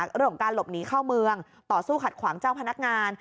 เรื่องของการหลบหนีเข้าเมืองต่อสู้ขัดขวางเจ้าพนักงาน